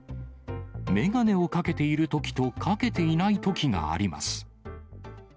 眼鏡をかけているときとかけていないときがあります。